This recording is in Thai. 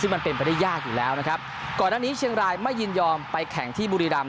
ซึ่งมันเป็นไปได้ยากอยู่แล้วนะครับก่อนหน้านี้เชียงรายไม่ยินยอมไปแข่งที่บุรีรำ